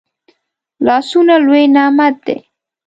لاسونه لوي نعمت دی